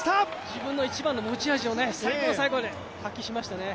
自分の一番の持ち味を最後の最後で発揮しましたよね。